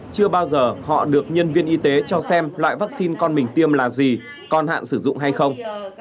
chưa bao giờ họ được nhân viên y tế cho xem loại vaccine con mình tiêm là gì còn hạn sử dụng hay không